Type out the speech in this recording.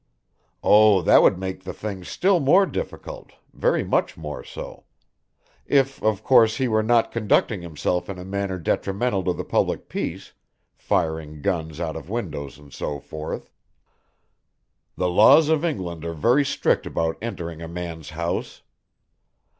"Oh, that would make the thing still more difficult, very much more so. If, of course, he were not conducting himself in a manner detrimental to the public peace, firing guns out of windows and so forth. The laws of England are very strict about entering a man's house.